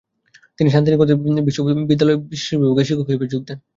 তিনি শান্তিনিকেতন বিদ্যালয়ে শিশুবিভাগে শিক্ষক হিসাবে যোগ দেন।